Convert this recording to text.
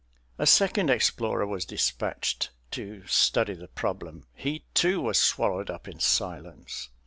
A second explorer was dispatched to study the problem. He, too, was swallowed up in silence.